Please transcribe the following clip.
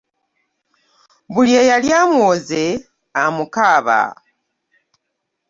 Buli eyali amuwoze amukaaba.